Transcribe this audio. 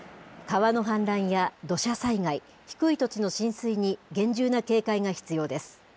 川の氾濫や土砂災害、低い土地の浸水に厳重な警戒が必要です。